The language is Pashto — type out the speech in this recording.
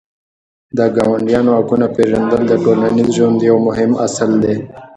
د ګاونډیانو حقونه پېژندل د ټولنیز ژوند یو مهم اصل دی.